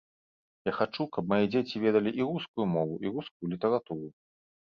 Я хачу, каб мае дзеці ведалі і рускую мову і рускую літаратуру.